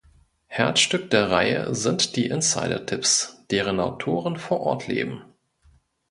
Herzstück der Reihe sind die „Insider-Tipps“, deren Autoren vor Ort leben.